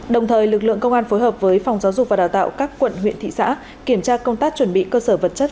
đồng thời lực lượng công an phối hợp với phòng giáo dục và đào tạo các quận huyện thị xã kiểm tra công tác chuẩn bị cơ sở vật chất